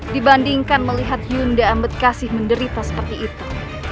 dibandingkan melihat yunda ambedkasi menderita seperti itu